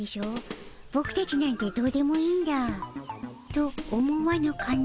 ボクたちなんてどうでもいいんだ」と思わぬかの？